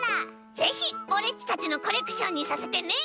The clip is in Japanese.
ぜひオレっちたちのコレクションにさせてね！